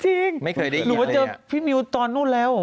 หรือว่าเจอพี่มิวตอนนู้นแล้ว